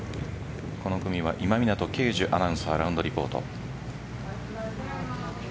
この組は今湊敬樹アナウンサーラウンドリポート。